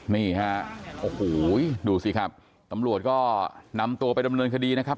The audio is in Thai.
นี่ฮะโอ้โหดูสิครับตำรวจก็นำตัวไปดำเนินคดีนะครับ